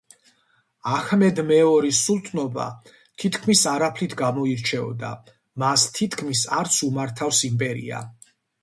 აჰმედ მეორის სულთნობა თითქმის არაფრით გამოირჩეოდა, მას თითქმის არც უმართავს იმპერია.